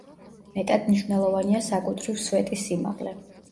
მეტად მნიშვნელოვანია საკუთრივ სვეტის სიმაღლე.